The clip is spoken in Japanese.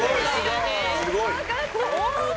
怖かった。